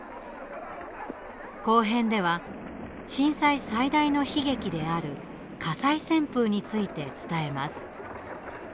後編では、震災最大の悲劇である火災旋風について伝えます。